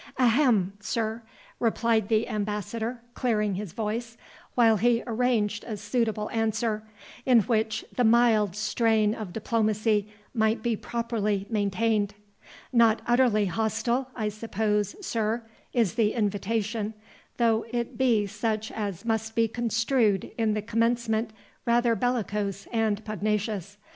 "A hem, sir," replied the ambassador, clearing his voice, while he arranged a suitable answer, in which the mild strain of diplomacy might be properly maintained; "not utterly hostile, I suppose, sir, is the invitation, though it be such as must be construed in the commencement rather bellicose and pugnacious.